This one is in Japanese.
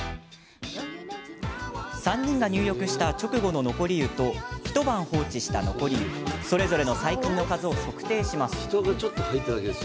３人が入浴した直後の残り湯と一晩放置した残り湯それぞれの細菌の数を測定します。